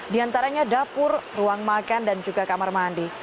di antaranya dapur ruang makan dan juga kamar mandi